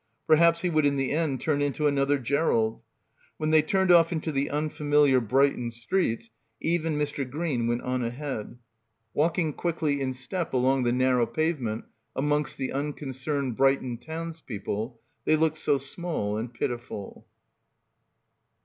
Perhaps he would in the end turn into another Gerald. When they turned off — 233 — PILGRIMAGE into the unfamiliar Brighton streets Eve and Mr. Green went on ahead. Walking quickly in step along the narrow pavement amongst the uncon cerned Brighton townspeople they looked so small and pitiful.